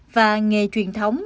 và nghề truyền thống